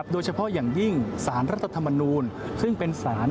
โดยเฉพาะอย่างยิ่งสารรัฐธรรมนูญ